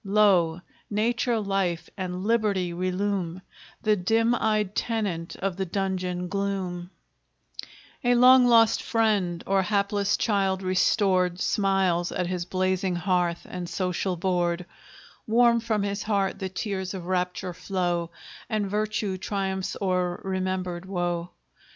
Lo! nature, life, and liberty relume The dim eyed tenant of the dungeon gloom; A long lost friend, or hapless child restored, Smiles at his blazing hearth and social board; Warm from his heart the tears of rapture flow, And virtue triumphs o'er remembered woe.